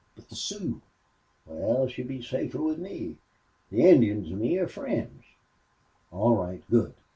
"But the Sioux?" "Wal, she'd be safer with me. The Injuns an' me are friends." "All right. Good.